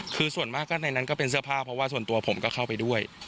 คือส่วนมากก็ในนั้นก็เป็นเสื้อผ้าเพราะว่าส่วนตัวผมก็เข้าไปด้วย